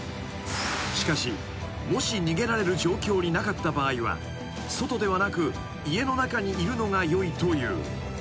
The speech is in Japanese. ［しかしもし逃げられる状況になかった場合は外ではなく家の中にいるのがよいという］